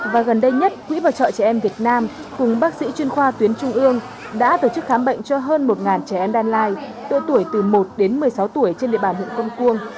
và gần đây nhất quỹ bảo trợ trẻ em việt nam cùng bác sĩ chuyên khoa tuyến trung ương đã tổ chức khám bệnh cho hơn một trẻ em đan lai độ tuổi từ một đến một mươi sáu tuổi trên địa bàn huyện công cuông